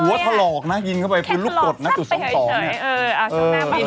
ถลอกนะยิงเข้าไปปืนลูกกดนะจุดสองสองเนี่ย